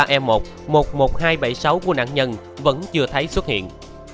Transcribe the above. ba e một một mươi một nghìn hai trăm bảy mươi sáu của nạn nhân vẫn chưa thấy xuất hiện